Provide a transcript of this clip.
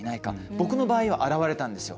僕の場合は現れたんですよ。